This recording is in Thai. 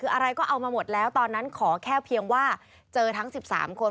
คืออะไรก็เอามาหมดแล้วตอนนั้นขอแค่เพียงว่าเจอทั้ง๑๓คน